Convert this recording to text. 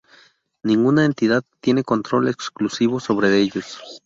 Ninguna entidad tiene control exclusivo sobre ellos.